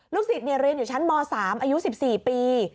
ศิษย์เรียนอยู่ชั้นม๓อายุ๑๔ปี